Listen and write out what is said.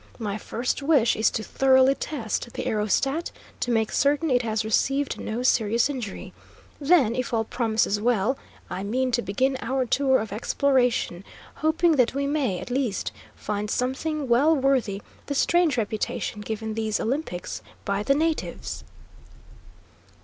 My first wish is to thoroughly test the aerostat, to make certain it has received no serious injury. Then, if all promises well, I mean to begin our tour of exploration, hoping that we may, at least, find something well worthy the strange reputation given these Olympics by the natives."